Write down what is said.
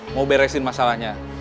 mau beresin masalahnya